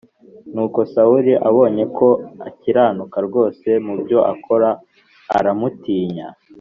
Nuko Sawuli abonye ko akiranuka rwose mu byo akora, aramutinya.